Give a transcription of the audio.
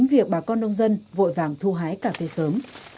việc bà con nông dân vội vàng thu hái cà phê sớm